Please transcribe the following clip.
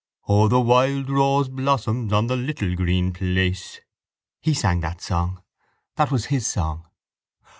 O, the wild rose blossoms On the little green place. He sang that song. That was his song.